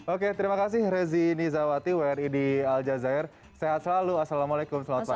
oke terima kasih rezi nizawati wni di al jazeera sehat selalu assalamualaikum selamat pagi